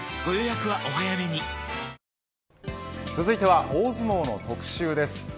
続いては大相撲の特集です。